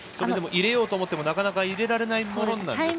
入れようと思ってもなかなか入れられないものですか。